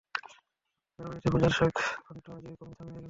রাজবাটিতে পূজার শাঁক ঘণ্টা বাজিয়া ক্রমে থামিয়া গেল।